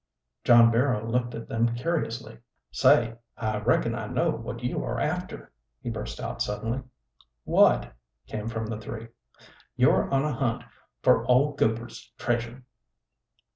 John Barrow looked at them curiously. "Say, I reckon I know what you are after!" he burst out suddenly. "What?" came from the three. "You're on a hunt for old Goupert's treasure."